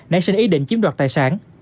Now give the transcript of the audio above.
đã xin ý định chiếm đoạt tài sản